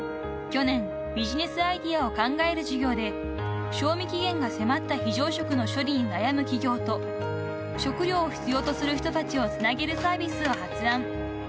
［去年ビジネスアイデアを考える授業で賞味期限が迫った非常食の処理に悩む企業と食料を必要とする人たちをつなげるサービスを発案］